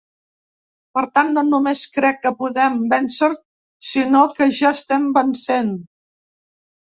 Per tant, no només crec que podem vèncer sinó que ja estem vencent.